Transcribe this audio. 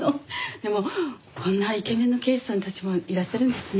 でもこんなイケメンの刑事さんたちもいらっしゃるんですね。